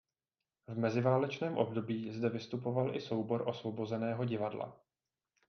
V meziválečném období zde vystupoval i soubor Osvobozeného divadla.